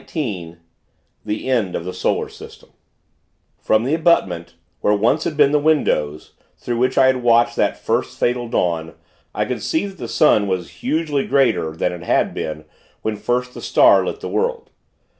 XIX THE END OF THE SOLAR SYSTEM From the abutment, where once had been the windows, through which I had watched that first, fatal dawn, I could see that the sun was hugely greater, than it had been, when first the Star lit the world.